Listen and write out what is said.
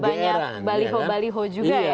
banyak baliho baliho juga ya